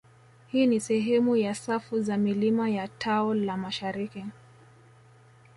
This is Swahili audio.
Hii ni sehemu ya safu za milima ya tao la mashariki